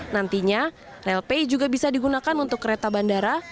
nantinya railpay juga bisa digunakan untuk kereta bandara